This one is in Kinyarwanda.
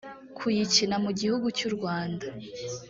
kuyikina mu gihugu cy u rwanda